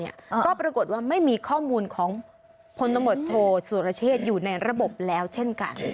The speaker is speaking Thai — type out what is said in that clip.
ก็ปรากฏว่าไม่มีข้อมูลของพลตำรวจโทสุรเชษอยู่ในระบบแล้วเช่นกัน